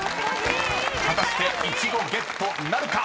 ［果たしてイチゴゲットなるか？